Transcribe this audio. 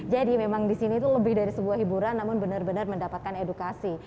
jadi memang di sini itu lebih dari sebuah hiburan namun benar benar mendapatkan edukasi